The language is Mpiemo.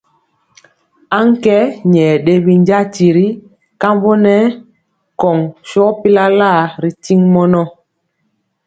Aŋkɛ nyɛ ɗe binja tiri kambɔ nɛ kɔŋ sɔ pilalaa ri tiŋ mɔnɔ.